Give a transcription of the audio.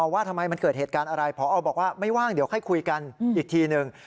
ว่าทำไมมันเกิดเหตุการณ์อะไรพอบอกว่าไม่ว่างเดี๋ยวค่อยคุยกันอีกทีหนึ่ง